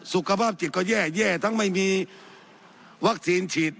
สุขภาพจิตก็แย่ทั้งไม่มีวัคซีนฉีด